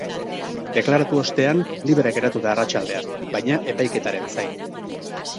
Deklaratu ostean, libre geratu da arratsaldean, baina epaiketaren zain.